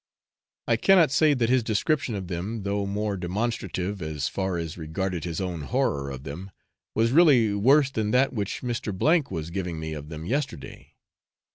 I cannot say that his description of them, though more demonstrative as far as regarded his own horror of them, was really worse than that which Mr. G was giving me of them yesterday.